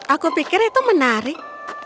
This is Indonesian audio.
aku pikir itu menarik